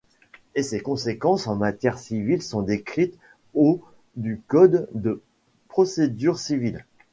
Et ces conséquences en matière civile sont décrites aux du code de procédure civile.